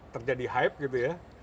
terjadi hype gitu ya